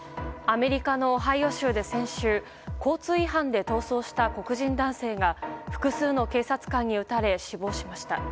アメリカのオハイオ州で先週、交通違反で逃走した黒人男性が複数の警察官に撃たれ死亡しました。